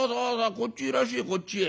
こっちへいらっしゃいこっちへ。